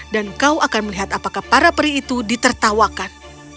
dan kau akan melihat apakah para peri itu ditertawakan